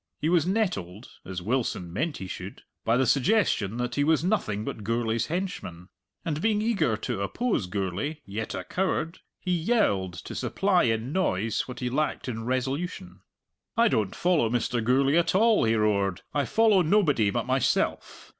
He was nettled (as Wilson meant he should) by the suggestion that he was nothing but Gourlay's henchman. And being eager to oppose Gourlay, yet a coward, he yelled to supply in noise what he lacked in resolution. "I don't follow Mr. Gourlay at all," he roared; "I follow nobody but myself!